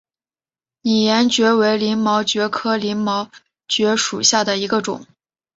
拟岩蕨为鳞毛蕨科鳞毛蕨属下的一个种。